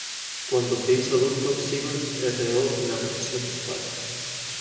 Cuando se hizo adulto, Sigurd heredó la posición de su padre.